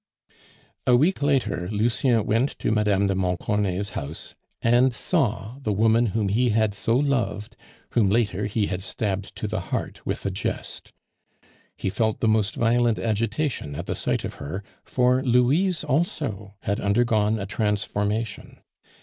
A week later, Lucien went to Mme. de Montcornet's house, and saw the woman whom he had so loved, whom later he had stabbed to the heart with a jest. He felt the most violent agitation at the sight of her, for Louise also had undergone a transformation.